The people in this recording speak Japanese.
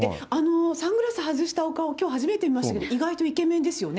サングラス外したお顔、きょう初めて見ましたけど、意外とイケメンですよね。